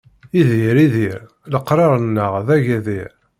Idir, idir, leqraṛ-nneɣ d agadir.